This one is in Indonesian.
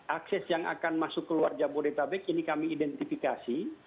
akses yang akan masuk ke luar jabodetabek ini kami identifikasi